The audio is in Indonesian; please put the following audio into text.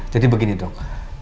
jadi begini dok